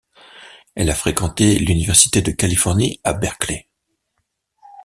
Elle a fréquenté l'Université de Californie à Berkeley.